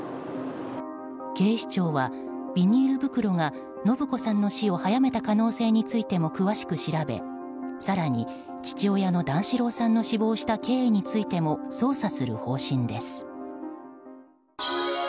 警視庁はビニール袋が延子さんの死を早めた可能性についても詳しく調べ更に、父親の段四郎さんの死亡した経緯についても捜査する方針です。